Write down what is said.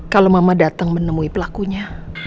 kalau mama datang menemui pelakunya